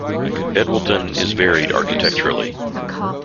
Edwalton is varied architecturally.